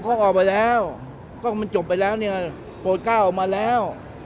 เขาออกไปแล้วก็มันจบไปแล้วเนี่ยโปรดก้าวออกมาแล้ว